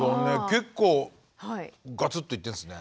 結構ガツッといってんですね。